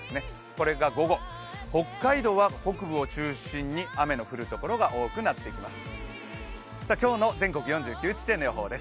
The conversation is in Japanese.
これが午後、北海道は北部を中心に雨の降るところが多くなります。